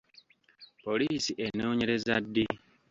Poliisi enoonyereza ddi?